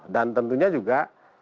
dan tentunya juga